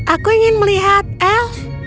aku ingin melihat elf